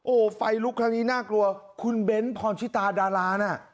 โอ้โหไฟลุกครั้งนี้น่ากลัวคุณเบ้นพรชิตาดาราน่ะ